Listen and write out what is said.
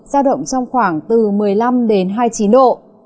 ra động trong khoảng từ một mươi năm hai mươi chín độ